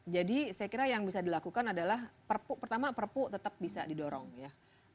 jadi saya kira yang bisa dilakukan adalah pertama perpu tetap bisa didorong ya